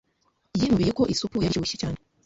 Yinubiye ko isupu yari ishyushye cyane.